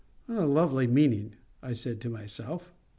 "A lovely meaning," I said to myself.